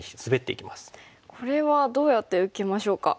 これはどうやって受けましょうか。